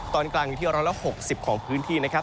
ตอนกลางอยู่ที่๑๖๐ของพื้นที่นะครับ